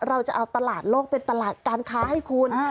เราจะเอาตลาดโลกเป็นตลาดการค้าให้คุณ